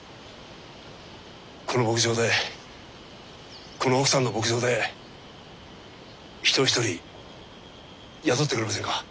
この牧場でこの奥さんの牧場で人を一人雇ってくれませんか？